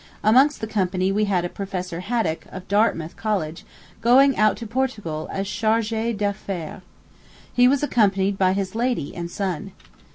Amongst the company we had Professor Haddock, of Dartmouth College, going out to Portugal as chargé d'affaires. He was accompanied by his lady and son.